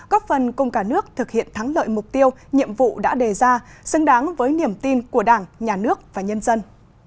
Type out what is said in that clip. góp phần cùng cả nước thực hiện thắng lợi mục tiêu nhiệm vụ đã đề ra xứng đáng với niềm tin của đảng nhà nước và nhân dân